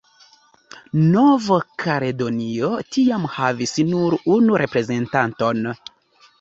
Nov-Kaledonio tiam havis nur unu reprezentanton.